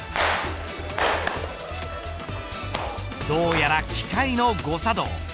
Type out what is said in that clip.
どうやら機械の誤作動。